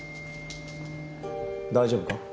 大丈夫か？